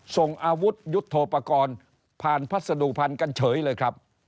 ส่งอาวุธยุทธโทปกรณ์ผ่านพัสดุพันธุ์กันเฉยเลยครับ